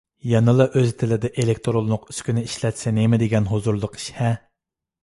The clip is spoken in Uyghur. يەنىلا ئۆز تىلىدا ئېلېكتىرونلۇق ئۈسكۈنە ئىشلەتسە نېمىدېگەن ھۇزۇرلۇق ئىش-ھە.